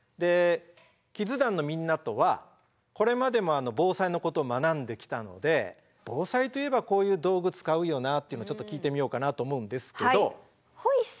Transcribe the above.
キッズ団のみんなとはこれまでも防災のことを学んできたので防災といえばこういう道具使うよなっていうのをちょっと聞いてみようかなと思うんですけど。